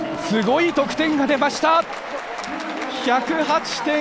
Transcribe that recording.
すごい得点が出ました！